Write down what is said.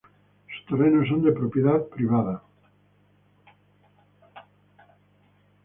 Sus terrenos son de propiedad privada.